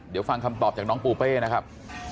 เดี๋ยวฟังคำตอบจากน้องปูเป้นะครับ